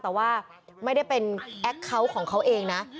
แต่ว่าไม่ได้เป็นแอคเคาน์ของเขาเองนะ